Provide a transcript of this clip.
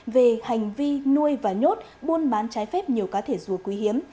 về hành vi nuôi và nhốt buôn bán trái phép nhiều cá thể rùa quý hiếm